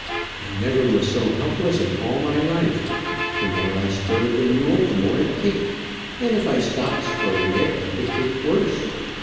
I never was so helpless in all my life. The more I spurred the mule, the more it kicked, and if I stopped spurring it, it kicked worse.